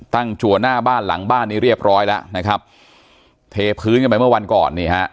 จัวหน้าบ้านหลังบ้านนี้เรียบร้อยแล้วนะครับเทพื้นกันไปเมื่อวันก่อนนี่ฮะ